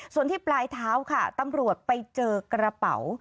ส่วนที่ปลายเท้าค่ะตำรวจไปเจอกระเป๋า